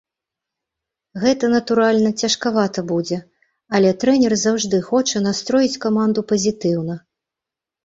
Гэта, натуральна, цяжкавата будзе, але трэнер заўжды хоча настроіць каманду пазітыўна.